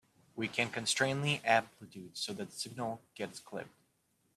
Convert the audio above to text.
We can constrain the amplitude so that the signal gets clipped.